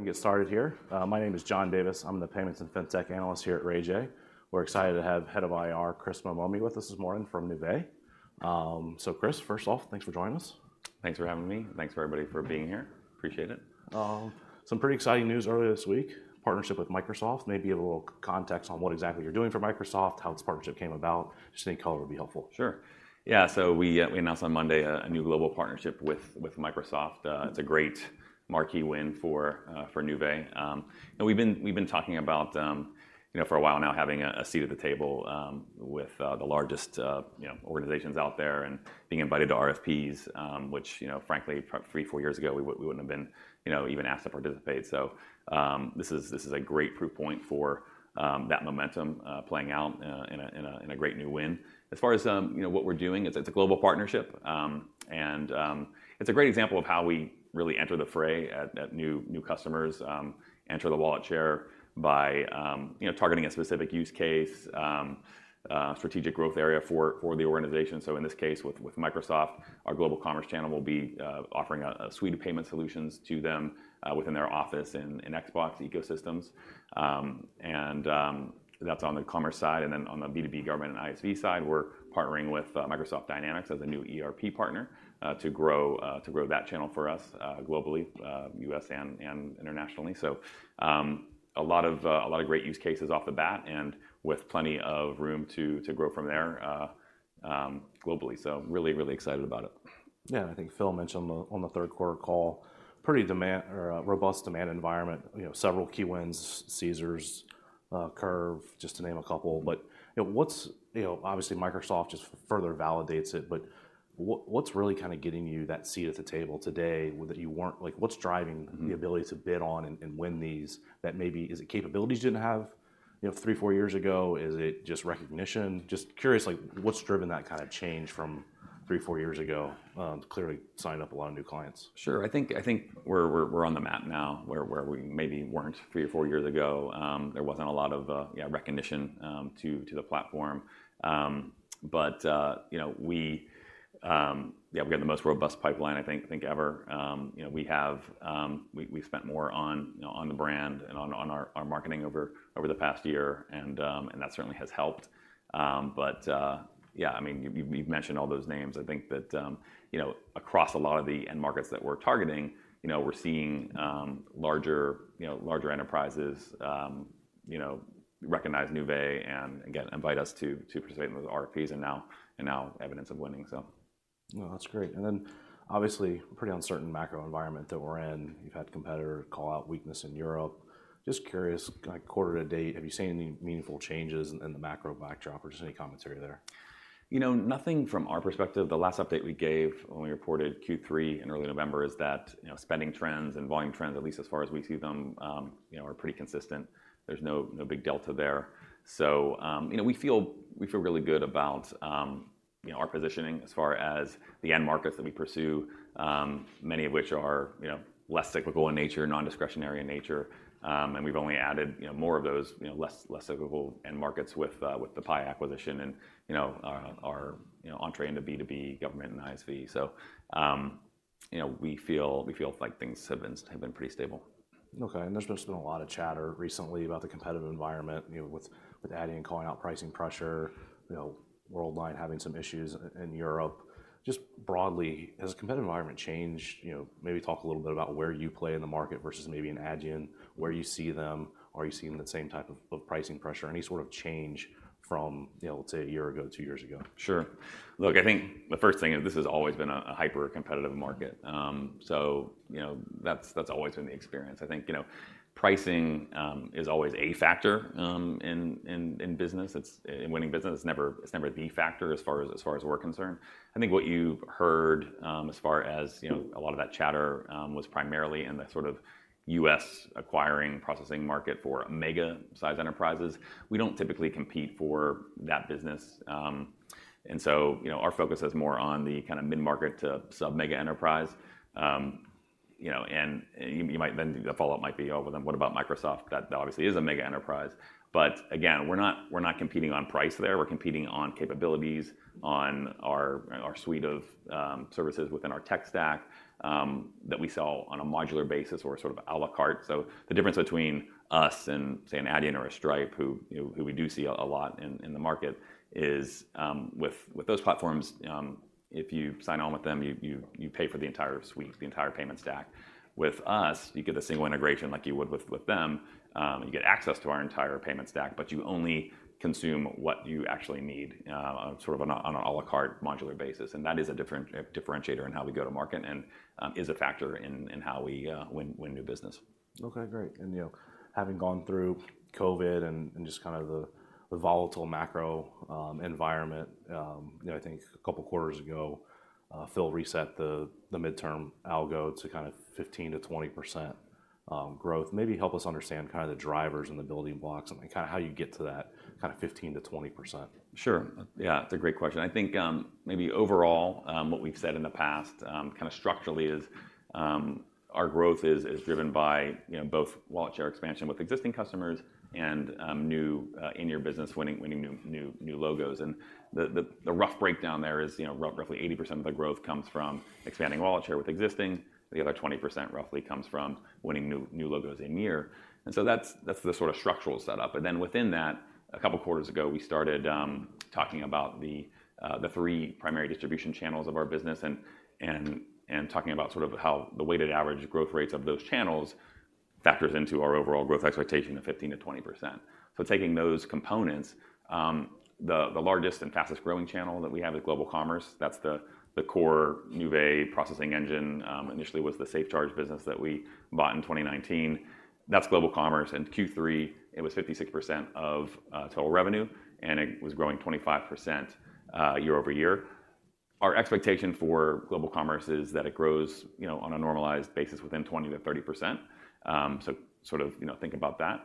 I can get started here. My name is John Davis. I'm the Payments and Fintech Analyst here at Raymond James. We're excited to have Head of IR, Chris Mammone, with us this morning from Nuvei. So Chris, first off, thanks for joining us. Thanks for having me. Thanks, everybody, for being here. Appreciate it. Some pretty exciting news earlier this week, partnership with Microsoft. Maybe a little context on what exactly you're doing for Microsoft, how this partnership came about. Just any color would be helpful. Sure. Yeah, so we announced on Monday a new global partnership with Microsoft. It's a great marquee win for Nuvei. And we've been talking about, you know, for a while now, having a seat at the table with the largest, you know, organizations out there and being invited to RFPs, which, you know, frankly, probably three, four years ago, we wouldn't have been, you know, even asked to participate. So, this is a great proof point for that momentum playing out in a great new win. As far as, you know, what we're doing, it's a global partnership, and it's a great example of how we really enter the fray at new customers, enter the wallet share by, you know, targeting a specific use case, a strategic growth area for the organization. So in this case, with Microsoft, our global commerce channel will be offering a suite of payment solutions to them, within their Office and Xbox ecosystems. That's on the commerce side, and then on the B2B government and ISV side, we're partnering with Microsoft Dynamics as a new ERP partner, to grow that channel for us, globally, US and internationally. So, a lot of, a lot of great use cases off the bat and with plenty of room to, to grow from there, globally. So I'm really, really excited about it. Yeah, I think Phil mentioned on the, on the third quarter call, a robust demand environment, you know, several key wins, Caesars, Curve, just to name a couple. But, you know, obviously, Microsoft just further validates it, but what, what's really kinda getting you that seat at the table today that you weren't-- Like, what's driving- Mm... the ability to bid on and win these that maybe is it capabilities you didn't have, you know, three, four years ago? Is it just recognition? Just curious, like, what's driven that kind of change from three, four years ago, clearly signing up a lot of new clients? Sure. I think we're on the map now, where we maybe weren't three or four years ago. There wasn't a lot of yeah recognition to the platform. But you know, we... Yeah, we've got the most robust pipeline, I think ever. you know, we spent more on you know on the brand and on our marketing over the past year, and that certainly has helped. But yeah, I mean, you've mentioned all those names. I think that you know across a lot of the end markets that we're targeting, you know, we're seeing larger you know larger enterprises you know recognize Nuvei, and again, invite us to participate in those RFPs, and now evidence of winning. So... No, that's great. And then, obviously, pretty uncertain macro environment that we're in. you've had a competitor call out weakness in Europe. Just curious, like, quarter to date, have you seen any meaningful changes in the macro backdrop, or just any commentary there? you know, nothing from our perspective. The last update we gave when we reported Q3 in early November is that, you know, spending trends and volume trends, at least as far as we see them, you know, are pretty consistent. There's no big delta there. So, you know, we feel, we feel really good about, you know, our positioning as far as the end markets that we pursue, many of which are, you know, less cyclical in nature, non-discretionary in nature. And we've only added, you know, more of those, you know, less, less cyclical end markets with, with the Paya acquisition and, you know, our, you know, entry into B2B, government, and ISV. So, you know, we feel, we feel like things have been, have been pretty stable. Okay. And there's just been a lot of chatter recently about the competitive environment, you know, with Adyen calling out pricing pressure, you know, Worldline having some issues in Europe. Just broadly, has the competitive environment changed? you know, maybe talk a little bit about where you play in the market versus maybe an Adyen, where you see them. Are you seeing the same type of pricing pressure? Any sort of change from, you know, let's say a year ago, two years ago? Sure. Look, I think the first thing is this has always been a hyper-competitive market. So you know, that's always been the experience. I think, you know, pricing is always a factor in business. In winning business, it's never the factor as far as we're concerned. I think what you've heard as far as you know, a lot of that chatter was primarily in the sort of U.S. acquiring, processing market for mega-sized enterprises. We don't typically compete for that business, and so you know, our focus is more on the kind of mid-market to sub-mega enterprise. you know, and then the follow-up might be, "Oh, well, then what about Microsoft?" That obviously is a mega enterprise. But again, we're not competing on price there. We're competing on capabilities, on our suite of services within our tech stack that we sell on a modular basis or sort of à la carte. So the difference between us and, say, an Adyen or a Stripe, who, you know, we do see a lot in the market, is with those platforms, if you sign on with them, you pay for the entire suite, the entire payment stack. With us, you get a single integration like you would with them, you get access to our entire payment stack, but you only consume what you actually need, sort of on a à la carte, modular basis. And that is a differentiator in how we go to market and is a factor in how we win new business. Okay, great. And, you know, having gone through COVID and just kind of the volatile macro environment, you know, I think a couple of quarters ago, Phil reset the midterm algo to kind of 15%-20% growth. Maybe help us understand kind of the drivers and the building blocks and, like, kinda how you get to that kind of 15%-20%. Sure. Yeah, it's a great question. I think, maybe overall, what we've said in the past, kinda structurally is, our growth is driven by, you know, both wallet share expansion with existing customers and, new in-year business, winning new logos. And the rough breakdown there is, you know, roughly 80% of the growth comes from expanding wallet share with existing, the other 20% roughly comes from winning new logos in-year. And so that's the sort of structural setup. But then within that, a couple of quarters ago, we started talking about the three primary distribution channels of our business and talking about sort of how the weighted average growth rates of those channels factors into our overall growth expectation of 15%-20%. So taking those components, the largest and fastest-growing channel that we have is global commerce. That's the core Nuvei processing engine, initially was the SafeCharge business that we bought in 2019. That's global commerce, in Q3, it was 56% of total revenue, and it was growing 25%, year-over-year. Our expectation for global commerce is that it grows, you know, on a normalized basis within 20%-30%. So sort of, you know, think about that.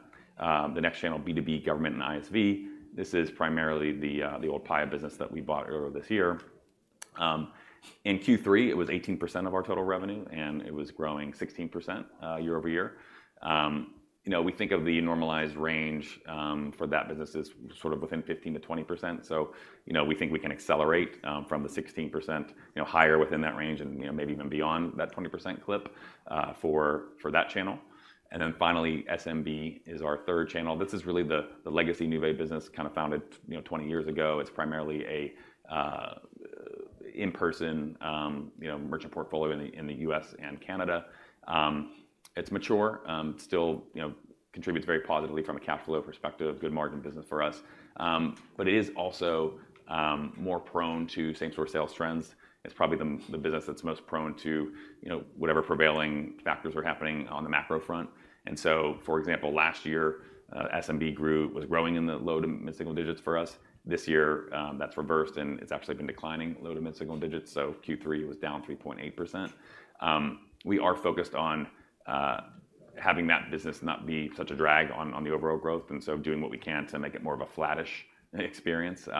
The next channel, B2B government and ISV, this is primarily the old Paya business that we bought earlier this year. In Q3, it was 18% of our total revenue, and it was growing 16%, year-over-year. you know, we think of the normalized range for that business is sort of within 15%-20%. So, you know, we think we can accelerate from the 16%, you know, higher within that range and, you know, maybe even beyond that 20% clip for that channel. And then finally, SMB is our third channel. This is really the legacy Nuvei business, kind of founded 20 years ago. It's primarily a in-person, you know, merchant portfolio in the U.S. and Canada. It's mature, still, you know, contributes very positively from a cash flow perspective, good margin business for us. But it is also more prone to same-store sales trends. It's probably the business that's most prone to, you know, whatever prevailing factors are happening on the macro front. So, for example, last year, SMB was growing in the low to mid-single digits for us. This year, that's reversed, and it's actually been declining low to mid-single digits, so Q3 was down 3.8%. We are focused on having that business not be such a drag on the overall growth, and so doing what we can to make it more of a flattish experience. We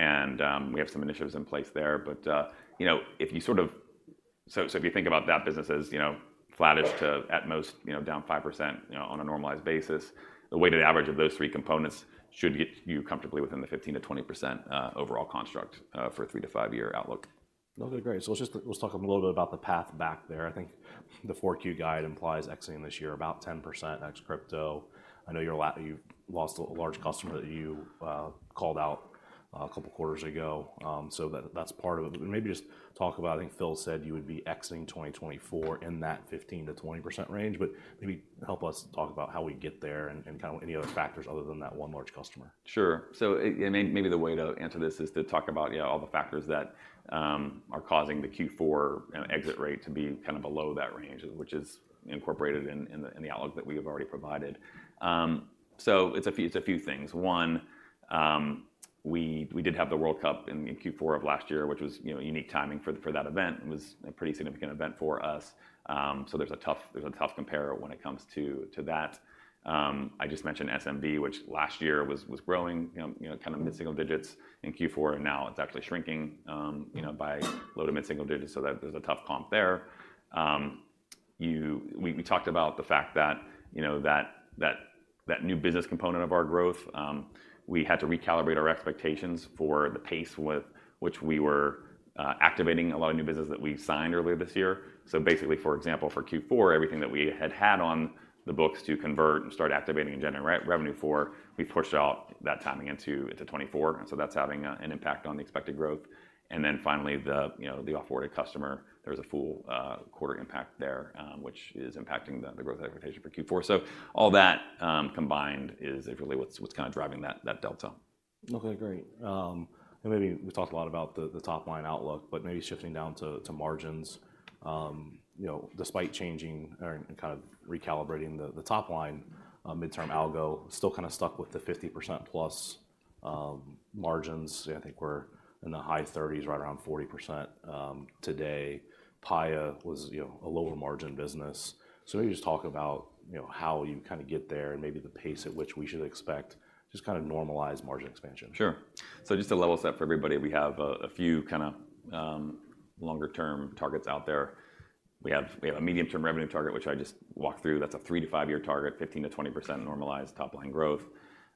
have some initiatives in place there. But you know, so if you think about that business as you know, flattish to at most you know, down 5%, you know, on a normalized basis, the weighted average of those three components should get you comfortably within the 15%-20% overall construct for a 3- to 5-year outlook. Okay, great. So let's just, let's talk a little bit about the path back there. I think the 4Q guide implies exiting this year about 10% ex crypto. I know you lost a large customer that you called out a couple quarters ago, so that's part of it. But maybe just talk about, I think Phil said you would be exiting 2024 in that 15%-20% range, but maybe help us talk about how we get there and kind of any other factors other than that one large customer. Sure. So, yeah, maybe the way to answer this is to talk about, yeah, all the factors that are causing the Q4, you know, exit rate to be kind of below that range, which is incorporated in the outlook that we have already provided. So it's a few things. One, we did have the World Cup in Q4 of last year, which was, you know, unique timing for that event. It was a pretty significant event for us. So there's a tough compare when it comes to that. I just mentioned SMB, which last year was growing, you know, kind of mid-single digits in Q4, and now it's actually shrinking, you know, by low to mid-single digits, so that there's a tough comp there. We talked about the fact that, you know, that new business component of our growth, we had to recalibrate our expectations for the pace with which we were activating a lot of new business that we signed earlier this year. So basically, for example, for Q4, everything that we had had on the books to convert and start activating and generating revenue for, we pushed out that timing into 2024, and so that's having an impact on the expected growth. And then finally, you know, the off-road customer, there was a full quarter impact there, which is impacting the growth expectation for Q4. So all that combined is really what's kind of driving that delta. Okay, great. And maybe we talked a lot about the top-line outlook, but maybe shifting down to margins. you know, despite changing or and kind of recalibrating the top line, midterm algo still kinda stuck with the 50% plus margins. I think we're in the high 30s, right around 40%. Today, Paya was, you know, a lower margin business. So maybe just talk about, you know, how you kind of get there and maybe the pace at which we should expect just kind of normalized margin expansion. Sure. So just to level set for everybody, we have a few kinda longer-term targets out there. We have a medium-term revenue target, which I just walked through. That's a 3-5-year target, 15%-20% normalized top-line growth.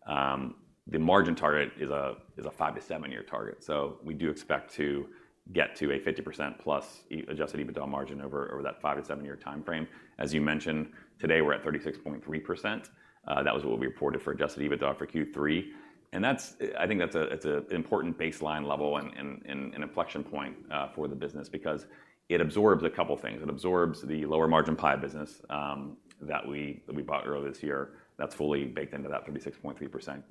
The margin target is a 5-7-year target, so we do expect to get to a 50%+ Adjusted EBITDA margin over that 5-7-year timeframe. As you mentioned, today, we're at 36.3%. That was what we reported for Adjusted EBITDA for Q3, and that's I think that's an important baseline level and inflection point for the business because it absorbs a couple things. It absorbs the lower margin Paya business that we bought earlier this year. That's fully baked into that 36.3%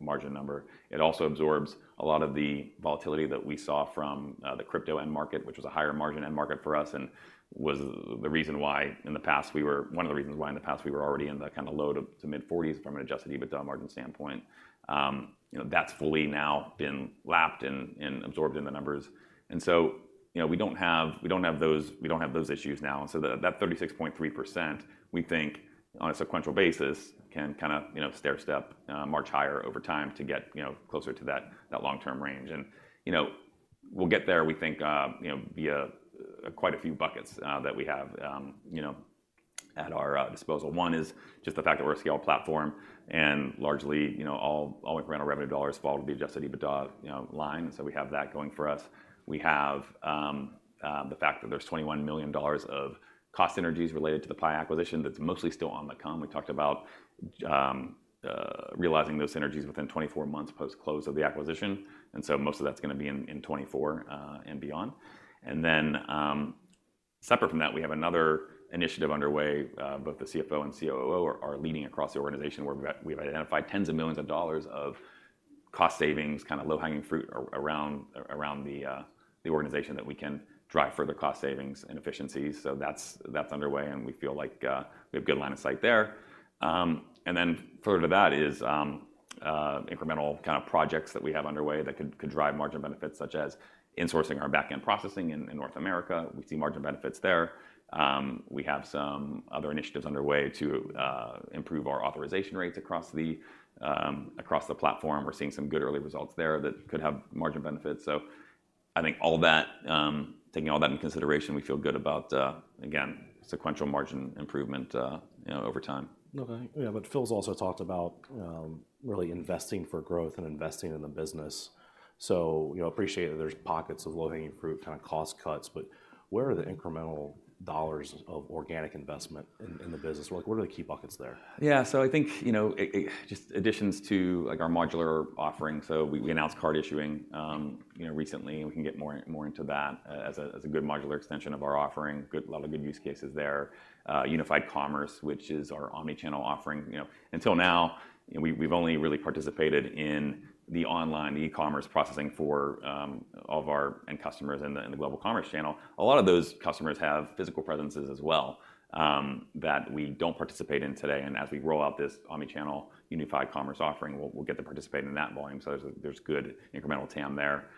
margin number. It also absorbs a lot of the volatility that we saw from the crypto end market, which was a higher margin end market for us, and was the reason why in the past we were one of the reasons why in the past we were already in the kind of low-to-mid 40s from an Adjusted EBITDA margin standpoint. you know, that's fully now been lapped and absorbed in the numbers, and so, you know, we don't have, we don't have those, we don't have those issues now. So that 36.3%, we think on a sequential basis, can kinda, you know, stair step march higher over time to get, you know, closer to that long-term range. you know, we'll get there, we think, you know, via quite a few buckets that we have, you know, at our disposal. One is just the fact that we're a scale platform, and largely, you know, all, all incremental revenue dollars fall to the Adjusted EBITDA, you know, line, so we have that going for us. We have the fact that there's $21 million of cost synergies related to the Paya acquisition that's mostly still on the come. We talked about realizing those synergies within 24 months post-close of the acquisition, and so most of that's gonna be in 2024 and beyond. Then, separate from that, we have another initiative underway. Both the CFO and COO are leading across the organization, where we've identified tens of millions of dollars of cost savings, kind of low-hanging fruit around the organization that we can drive further cost savings and efficiencies. So that's underway, and we feel like we have good line of sight there. And then further to that is incremental kind of projects that we have underway that could drive margin benefits, such as insourcing our back-end processing in North America. We see margin benefits there. We have some other initiatives underway to improve our authorization rates across the platform. We're seeing some good early results there that could have margin benefits. I think all that, taking all that into consideration, we feel good about, again, sequential margin improvement, you know, over time. Okay. Yeah, but Phil's also talked about really investing for growth and investing in the business. So, you know, appreciate that there's pockets of low-hanging fruit, kind of cost cuts, but where are the incremental dollars of organic investment in the business? Like, what are the key buckets there? Yeah. So I think, you know, it just additions to, like, our modular offering. So we announced card issuing, you know, recently, and we can get more into that, as a good modular extension of our offering. A lot of good use cases there. Unified Commerce, which is our omni-channel offering. you know, until now, we've only really participated in the online, the e-commerce processing for of our end customers in the global commerce channel. A lot of those customers have physical presences as well that we don't participate in today, and as we roll out this omni-channel Unified Commerce offering, we'll get to participate in that volume. So there's good incremental TAM there.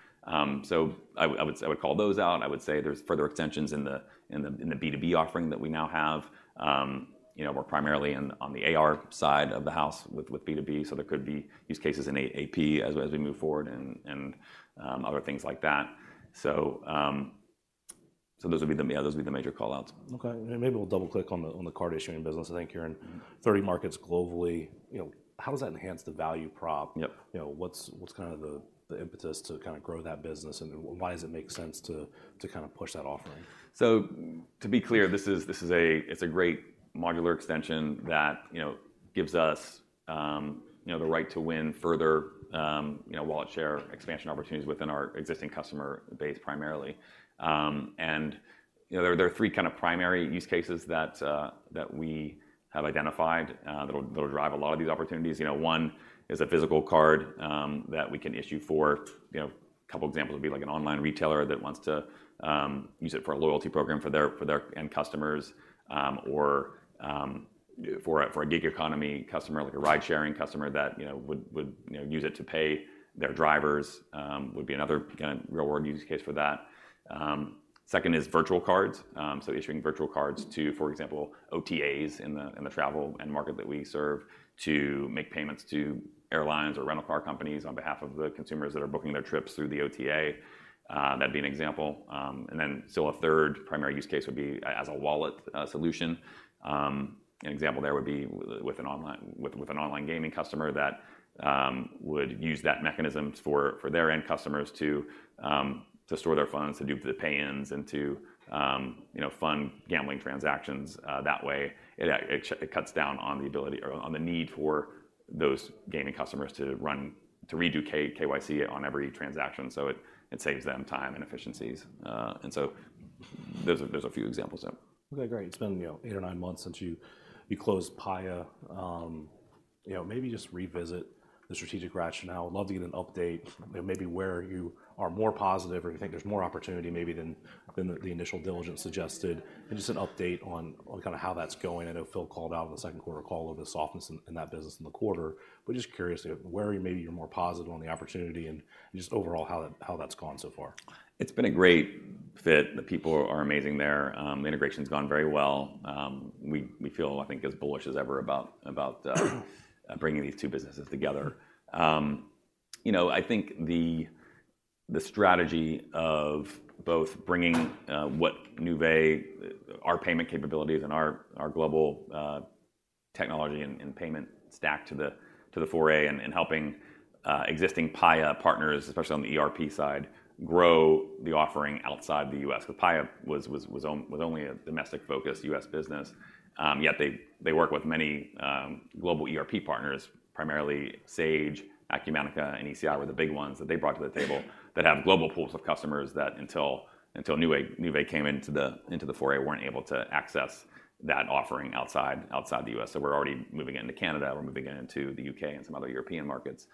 So I would call those out, and I would say there's further extensions in the B2B offering that we now have. you know, we're primarily on the AR side of the house with B2B, so there could be use cases in AP as we move forward and other things like that. So those would be the... Yeah, those would be the major call-outs. Okay. And maybe we'll double-click on the, on the card-issuing business. I think you're in 30 markets globally. you know, how does that enhance the value prop? Yep. you know, what's kind of the impetus to kind of grow that business, and then why does it make sense to kind of push that offering? So to be clear, this is. It's a great modular extension that, you know, gives us, you know, the right to win further, you know, wallet share expansion opportunities within our existing customer base, primarily. And, you know, there are three kind of primary use cases that we have identified, that'll drive a lot of these opportunities. you know, one is a physical card that we can issue for. you know, a couple examples would be, like, an online retailer that wants to use it for a loyalty program for their end customers, or for a gig economy customer, like a ride-sharing customer that, you know, would use it to pay their drivers, would be another kind of real-world use case for that. Second is virtual cards. So issuing virtual cards to, for example, OTAs in the travel end market that we serve, to make payments to airlines or rental car companies on behalf of the consumers that are booking their trips through the OTA. That'd be an example. And then so a third primary use case would be as a wallet solution. An example there would be with an online gaming customer that would use that mechanism for their end customers to store their funds, to do the pay-ins, and to you know, fund gambling transactions. That way, it cuts down on the ability or on the need for those gaming customers to run to redo KYC on every transaction. So it saves them time and efficiencies. And so there's a few examples there. Okay, great. It's been, you know, eight or nine months since you closed Paya. you know, maybe just revisit the strategic rationale. I'd love to get an update, maybe where you are more positive or you think there's more opportunity maybe than the initial diligence suggested, and just an update on kind of how that's going. I know Phil called out on the second quarter call of the softness in that business in the quarter, but just curious where maybe you're more positive on the opportunity and just overall how that's gone so far. It's been a great fit. The people are amazing there. The integration's gone very well. We feel, I think, as bullish as ever about bringing these two businesses together. you know, I think the strategy of both bringing what Nuvei, our payment capabilities and our global technology and payment stack to the fore and helping existing Paya partners, especially on the ERP side, grow the offering outside the U.S. 'Cause Paya was only a domestic-focused U.S. business, yet they work with many global ERP partners, primarily Sage, Acumatica, and ECI were the big ones that they brought to the table that have global pools of customers that until Nuvei came into the fore, weren't able to access that offering outside the U.S. So we're already moving into Canada, we're moving into the U.K. and some other European markets.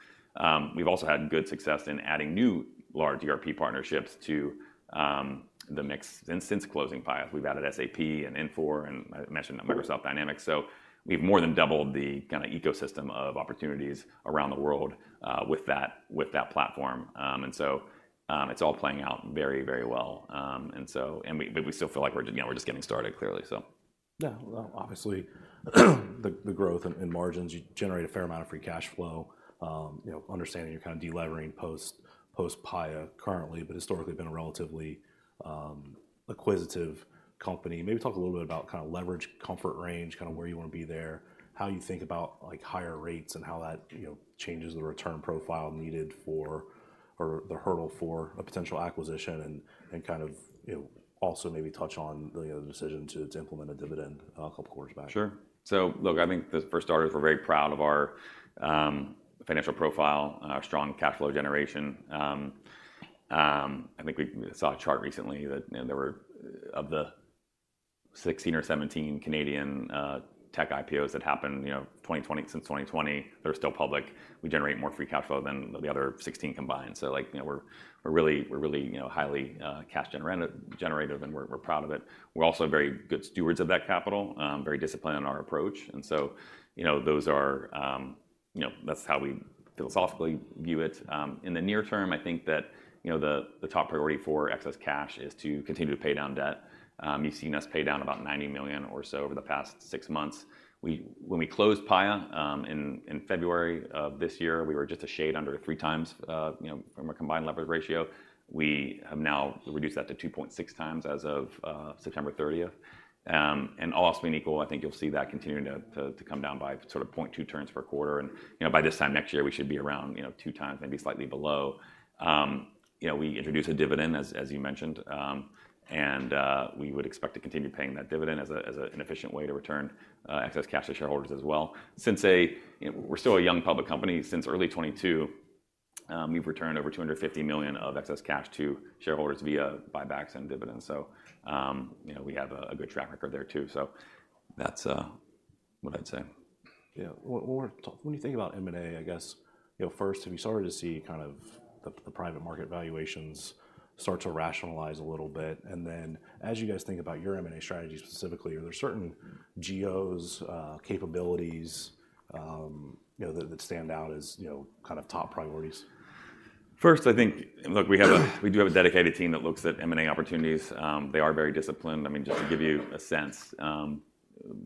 We've also had good success in adding new large ERP partnerships to the mix since closing Paya. We've added SAP and Infor, and I mentioned Microsoft Dynamics. So we've more than doubled the kind of ecosystem of opportunities around the world with that platform. And so it's all playing out very, very well. And so... And we but we still feel like we're, you know, we're just getting started, clearly, so. Yeah. Well, obviously, the growth in margins, you generate a fair amount of free cash flow. you know, understanding you're kind of de-levering post-Paya currently, but historically, been a relatively acquisitive company. Maybe talk a little bit about kind of leverage, comfort range, kind of where you want to be there, how you think about, like, higher rates and how that, you know, changes the return profile needed for or the hurdle for a potential acquisition and kind of, you know, also maybe touch on the, you know, the decision to implement a dividend a couple quarters back. Sure. So look, I think for starters, we're very proud of our financial profile and our strong cash flow generation. I think we saw a chart recently that, you know, there were of the 16 or 17 Canadian tech IPOs that happened, you know, 2020, since 2020, they're still public. We generate more free cash flow than the other 16 combined. So like, you know, we're, we're really, we're really, you know, highly cash generative, and we're, we're proud of it. We're also very good stewards of that capital, very disciplined in our approach, and so, you know, those are, you know, that's how we philosophically view it. In the near term, I think that, you know, the top priority for excess cash is to continue to pay down debt. you've seen us pay down about $90 million or so over the past six months. When we closed Paya in February of this year, we were just a shade under 3x, you know, from a combined leverage ratio. We have now reduced that to 2.6x as of September 30. And all else being equal, I think you'll see that continuing to come down by sort of 0.2 turns per quarter, and, you know, by this time next year, we should be around, you know, 2x, maybe slightly below. you know, we introduced a dividend, as you mentioned, and we would expect to continue paying that dividend as an efficient way to return excess cash to shareholders as well. Since we're still a young public company, since early 2022, we've returned over $250 million of excess cash to shareholders via buybacks and dividends. So, you know, we have a good track record there too, so that's what I'd say. Yeah. What, when you think about M&A, I guess, you know, first, have you started to see kind of the private market valuations start to rationalize a little bit? And then, as you guys think about your M&A strategy specifically, are there certain geos, capabilities, you know, that stand out as, you know, kind of top priorities? First, I think, look, we have a dedicated team that looks at M&A opportunities. They are very disciplined. I mean, just to give you a sense,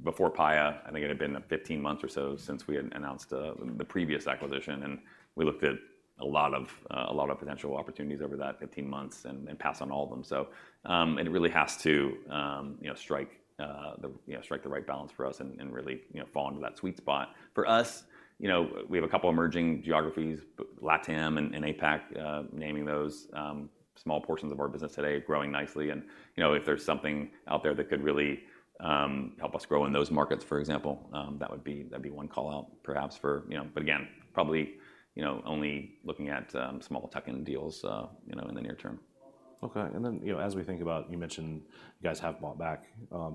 before Paya, I think it had been 15 months or so since we had announced the previous acquisition, and we looked at a lot of potential opportunities over that 15 months and passed on all of them. So, it really has to, you know, strike the right balance for us and really, you know, fall into that sweet spot. For us, you know, we have a couple emerging geographies, LATAM and APAC, naming those small portions of our business today, growing nicely and, you know, if there's something out there that could really help us grow in those markets, for example, that would be, that'd be one call-out perhaps for... you know. But again, probably, you know, only looking at small tuck-in deals, you know, in the near term. Okay. And then, you know, as we think about, you mentioned you guys have bought back,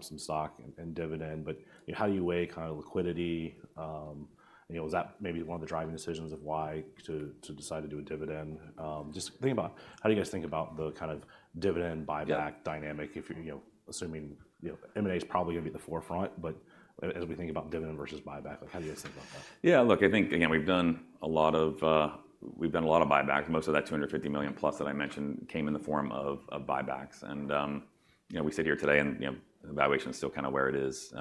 some stock and dividend, but, you know, how do you weigh kind of liquidity? you know, was that maybe one of the driving decisions of why to decide to do a dividend? Just think about, how do you guys think about the kind of dividend buyback- Yeah... dynamic, if you're, you know, assuming, you know, M&A is probably going to be the forefront, but as we think about dividend versus buyback, like, how do you guys think about that? Yeah, look, I think, again, we've done a lot of buybacks. Most of that $250 million plus that I mentioned came in the form of buybacks. And, you know, we sit here today and, you know, the valuation is still kind of where it is.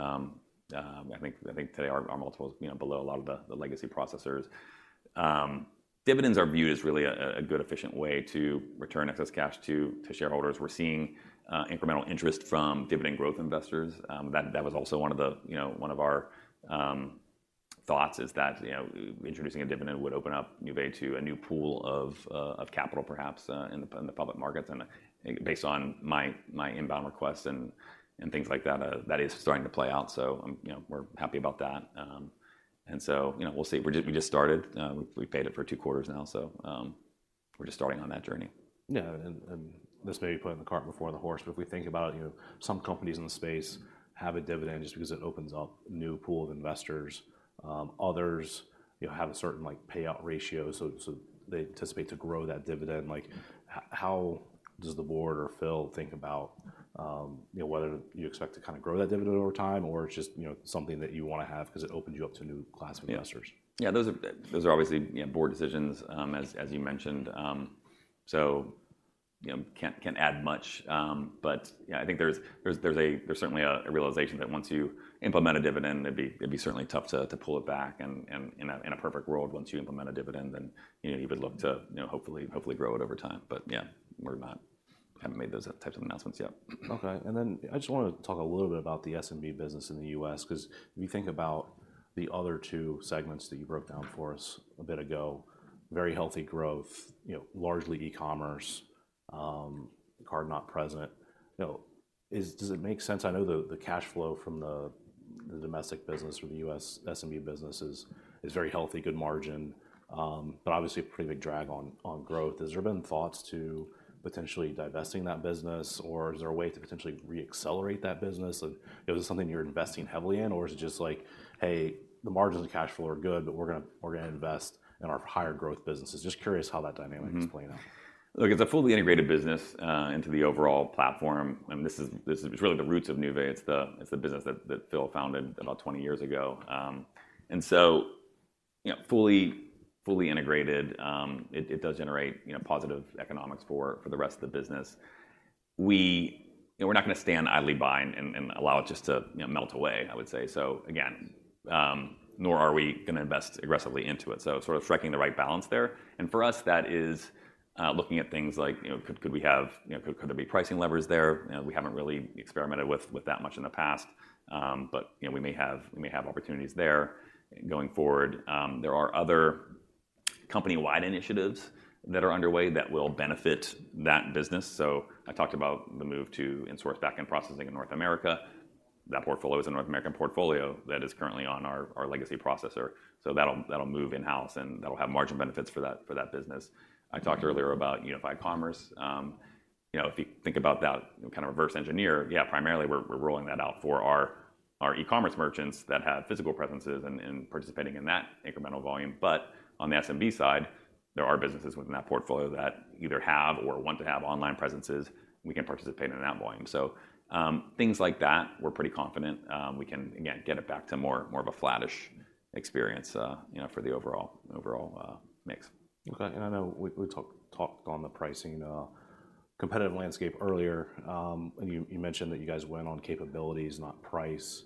I think today our multiples, you know, below a lot of the legacy processors. Dividends are viewed as really a good, efficient way to return excess cash to shareholders. We're seeing incremental interest from dividend growth investors. That was also one of the, you know, one of our thoughts is that, you know, introducing a dividend would open up Nuvei to a new pool of capital, perhaps, in the public markets. Based on my inbound requests and things like that, that is starting to play out. So, you know, we're happy about that. And so, you know, we'll see. We just started. We paid it for two quarters now, so, we're just starting on that journey. Yeah, this may be putting the cart before the horse, but if we think about, you know, some companies in the space have a dividend just because it opens up a new pool of investors. Others, you know, have a certain, like, payout ratio, so they anticipate to grow that dividend. Like, how does the board or Phil think about, you know, whether you expect to kind of grow that dividend over time, or it's just, you know, something that you want to have because it opens you up to a new class of investors? Yeah, those are obviously, you know, board decisions, as you mentioned. So, you know, can't add much. But yeah, I think there's certainly a realization that once you implement a dividend, it'd be certainly tough to pull it back and in a perfect world, once you implement a dividend, then, you know, you would look to, you know, hopefully grow it over time. But yeah, we haven't made those types of announcements yet. Okay. And then I just wanted to talk a little bit about the SMB business in the U.S., 'cause if you think about the other two segments that you broke down for us a bit ago, very healthy growth, you know, largely e-commerce, card not present. you know, does it make sense? I know the cash flow from the domestic business or the U.S. SMB business is very healthy, good margin, but obviously a pretty big drag on growth. Has there been thoughts to potentially divesting that business, or is there a way to potentially re-accelerate that business? Like, you know, is this something you're investing heavily in, or is it just like, "Hey, the margins of cash flow are good, but we're gonna invest in our higher growth businesses?" Just curious how that dynamic is playing out. Mm-hmm. Look, it's a fully integrated business into the overall platform, and this is really the roots of Nuvei. It's the business that Phil founded about 20 years ago. And so, you know, fully integrated, it does generate, you know, positive economics for the rest of the business. We... you know, we're not gonna stand idly by and allow it just to, you know, melt away, I would say. So again, nor are we gonna invest aggressively into it. So sort of striking the right balance there. And for us, that is looking at things like, you know, could we have, you know, could there be pricing levers there? you know, we haven't really experimented with that much in the past. But, you know, we may have, we may have opportunities there going forward. There are other company-wide initiatives that are underway that will benefit that business. So I talked about the move to insource back-end processing in North America. That portfolio is a North American portfolio that is currently on our, our legacy processor. So that'll, that'll move in-house, and that'll have margin benefits for that, for that business. I talked earlier about Unified Commerce. you know, if you think about that and kind of reverse engineer, yeah, primarily, we're, we're rolling that out for our e-commerce merchants that have physical presences and, and participating in that incremental volume. But on the SMB side, there are businesses within that portfolio that either have or want to have online presences, and we can participate in that volume. Things like that, we're pretty confident we can, again, get it back to more, more of a flattish experience, you know, for the overall, overall mix. Okay. I know we talked on the pricing competitive landscape earlier. you mentioned that you guys win on capabilities, not price.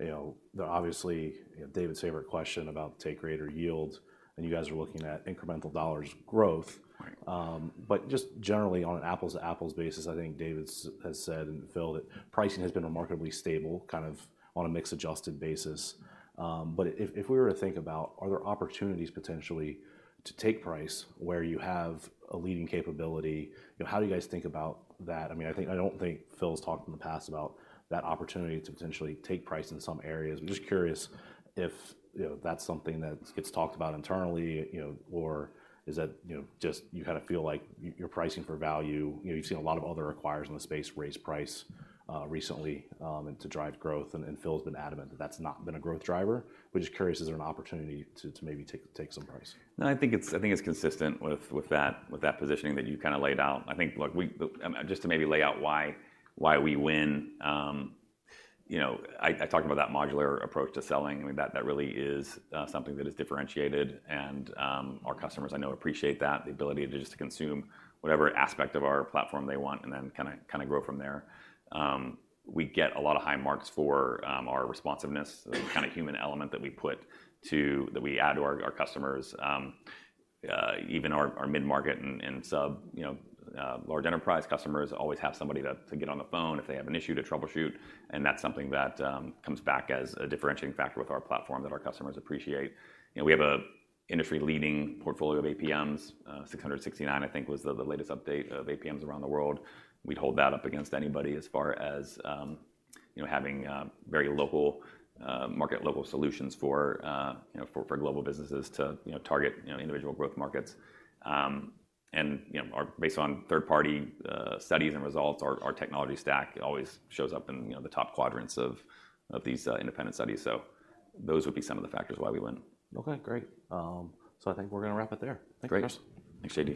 you know, there are obviously, you know, David Schwartz question about take rate or yield, and you guys are looking at incremental dollars growth. Right. But just generally, on an apples-to-apples basis, I think David has said, and Phil, that pricing has been remarkably stable, kind of on a mix-adjusted basis. But if, if we were to think about, are there opportunities potentially to take price where you have a leading capability, you know, how do you guys think about that? I mean, I don't think Phil's talked in the past about that opportunity to potentially take price in some areas. I'm just curious if, you know, that's something that gets talked about internally, you know, or is that, you know, just you kinda feel like you're pricing for value? you know, you've seen a lot of other acquirers in the space raise price recently, and to drive growth, and Phil's been adamant that that's not been a growth driver. We're just curious, is there an opportunity to maybe take some price? No, I think it's, I think it's consistent with, with that, with that positioning that you kinda laid out. I think, look, we, just to maybe lay out why, why we win, you know, I, I talked about that modular approach to selling, and that, that really is, something that is differentiated, and, our customers, I know, appreciate that, the ability to just to consume whatever aspect of our platform they want and then kinda, kinda grow from there. We get a lot of high marks for, our responsiveness, the kinda human element that we put to- that we add to our, our customers. Even our mid-market and sub-large enterprise customers always have somebody to get on the phone if they have an issue to troubleshoot, and that's something that comes back as a differentiating factor with our platform that our customers appreciate. you know, we have an industry-leading portfolio of APMs, 669, I think was the latest update of APMs around the world. We'd hold that up against anybody as far as, you know, having very local market local solutions for, you know, for global businesses to, you know, target, you know, individual growth markets. And, you know, based on third-party studies and results, our technology stack always shows up in, you know, the top quadrants of these independent studies. Those would be some of the factors why we win. Okay, great. So I think we're gonna wrap it there. Great. Thanks, guys. Thanks, JD.